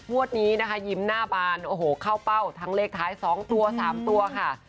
นี้นะคะยิ้มหน้าบานโอ้โหเข้าเป้าทั้งเลขท้าย๒ตัว๓ตัวค่ะ